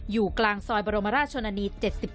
อยู่กลางซอยบรมราชชนนานี๗๒